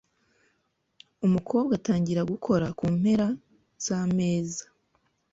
Umukobwa atangira gukora ku mpera z'ameza,